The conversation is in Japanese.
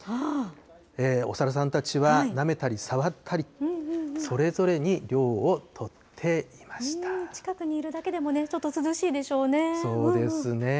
お猿さんたちはなめたり、触ったり、近くにいるだけでもね、ちょそうですね。